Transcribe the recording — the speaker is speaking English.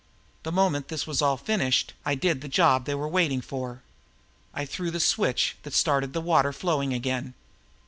The moment this was all finished, I did the job they were waiting for. I threw the switch that started the water flowing again.